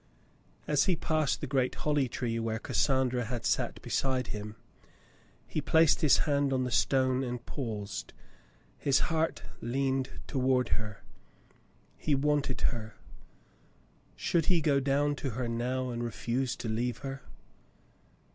As he passed the great holly tree where Cassandra had sat beside him, he placed his hand on the stone and paused. His heart leaned toward her. He wanted her. Should he go down to her now and refuse to leave her